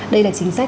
đây là chính sách